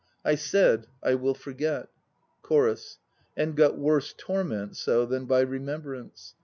I said "I will forget," CHORUS. And got worse torment so Than by remembrance.